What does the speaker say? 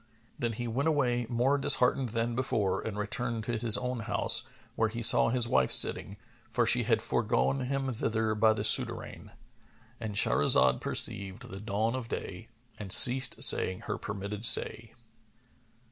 Then he went away more disheartened than before and returned to his own house where he saw his wife sitting, for she had foregone him thither by the souterrain.—And Shahrazad perceived the dawn of day and ceased saying her permitted say.